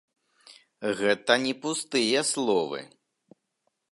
Гэта не пустыя словы.